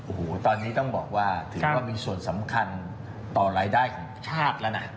โอ้โหตอนนี้ต้องบอกว่าถือว่ามีส่วนสำคัญต่อรายได้ของชาติแล้วนะ